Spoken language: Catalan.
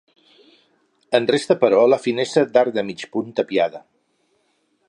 En resta però la finestra d'arc de mig punt tapiada.